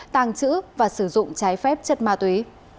tàng trữ và sử dụng trái phép chất ma túy